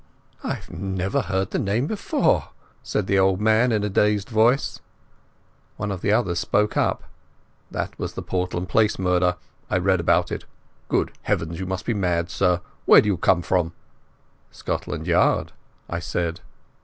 "I never heard the name before," said the old man in a dazed voice. One of the others spoke up. "That was the Portland Place murder. I read about it. Good heavens, you must be mad, sir! Where do you come from?" "Scotland Yard," I said.